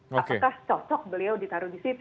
apakah cocok beliau ditaruh di situ